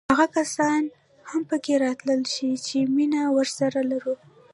هغه کسان هم پکې راتللی شي چې مینه ورسره لرو.